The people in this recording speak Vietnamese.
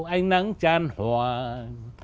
ánh nắng tràn hoàng